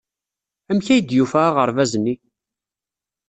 Amek ay d-yufa aɣerbaz-nni?